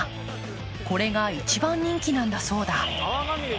これが一番人気なんだそうだ。